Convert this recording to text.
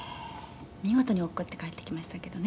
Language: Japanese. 「見事に落っこちて帰ってきましたけどね」